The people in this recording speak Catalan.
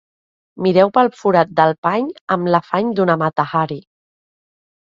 Mireu pel forat del pany amb l'afany d'una Mata-Hari.